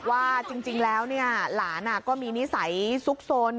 ว่าจริงแล้วหลานก็มีนิสัยซุกซน